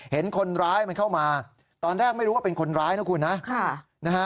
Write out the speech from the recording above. เห็นคนร้ายมันเข้ามาตอนแรกไม่รู้ว่าเป็นคนร้ายนะคุณนะ